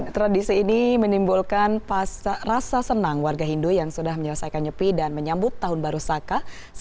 tradisi ini menimbulkan rasa senang warga hindu yang sudah menyelesaikan nyepi dan menyambut tahun baru saka seribu sembilan ratus empat puluh